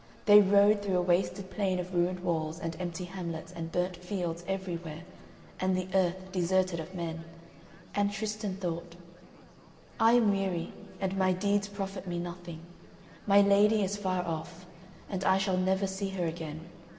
They rode through a wasted plain of ruined walls and empty hamlets and burnt fields everywhere, and the earth deserted of men; and Tristan thought: "I am weary, and my deeds profit me nothing; my lady is far off and I shall never see her again.